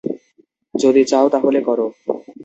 যদি চাও তাহলে করো।